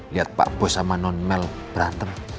lihat pak bos sama nonmel berantem